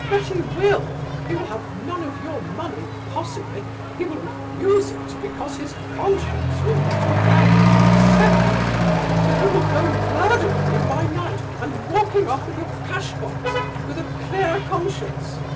"I bet he will! He will have none of your money, possibly, he will refuse it because his conscience will not allow him to accept it, but he will go murdering you by night and walking off with your cashbox, with a clear conscience!